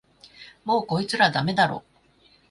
もうこいつらダメだろ